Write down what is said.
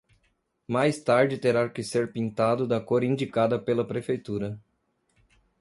Mais tarde terá que ser pintado da cor indicada pela Prefeitura.